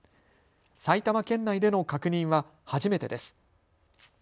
埼玉県内での確認は初めてです。